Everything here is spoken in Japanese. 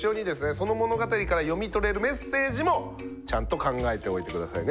その物語から読み取れるメッセージもちゃんと考えておいて下さいね